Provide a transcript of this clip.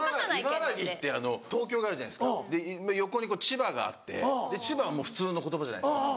茨城ってあの東京があるじゃないですかで横に千葉があって千葉は普通の言葉じゃないですか。